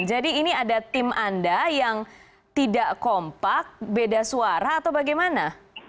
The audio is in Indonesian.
jadi ini ada tim anda yang tidak kompak beda suara atau bagaimana